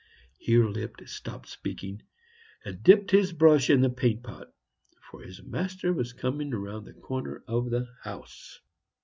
Here Lipp stopped speaking and dipped his brush in the paint pot, for his master was coming around the corner of the house.